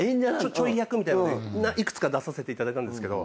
ちょい役みたいので幾つか出させていただいたんですけど。